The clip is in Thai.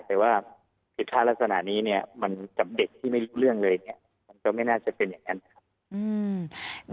แต่ว่าผิดพลาดลักษณะนี้มันกับเด็กที่ไม่รู้เรื่องเลยเนี่ยมันก็ไม่น่าจะเป็นอย่างนั้นนะครับ